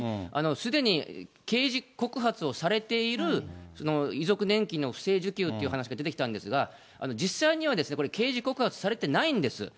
すでに刑事告発をされている遺族年金の不正受給っていう話が出てきたんですが、実際にはこれ、刑事告発されてないんです。